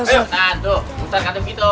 nah tuh ustadz katim gitu